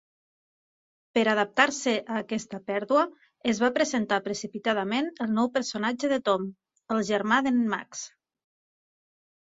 Per adaptar-se a aquesta pèrdua, es va presentar precipitadament el nou personatge de Tom, el germà d'en Max.